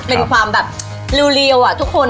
เป็นความกับริวอ่ะทุกคน